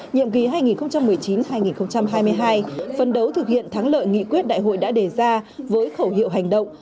nhiệm kỳ hai nghìn một mươi chín hai nghìn hai mươi hai phân đấu thực hiện thắng lợi nghị quyết đại hội đã đề ra với khẩu hiệu hành động